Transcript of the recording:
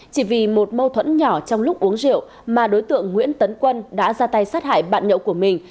chỉ vì một mâu thuẫn nhỏ trong lúc uống rượu mà đối tượng nguyễn tấn quân đã ra tay sát hại bạn nhậu của mình